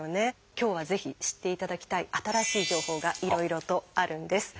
今日はぜひ知っていただきたい新しい情報がいろいろとあるんです。